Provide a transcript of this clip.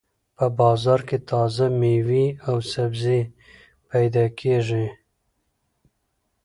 په بازار کې تازه مېوې او سبزيانې پیدا کېږي.